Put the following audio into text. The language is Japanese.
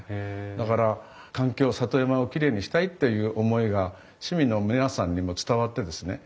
だから環境里山をきれいにしたいっていう思いが市民の皆さんにも伝わってですね